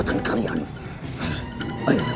kekamuan yang made of